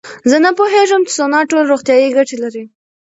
زه نه پوهېږم چې سونا ټول روغتیایي ګټې لري.